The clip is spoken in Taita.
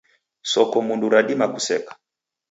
Sokomndu radima kuseka.